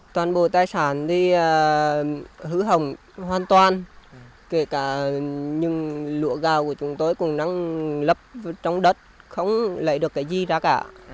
toàn bộ tài sản thì hữu hồng hoàn toàn kể cả những lụa gào của chúng tôi cũng đang lấp trong đất không lấy được cái gì ra cả